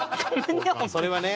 それはね。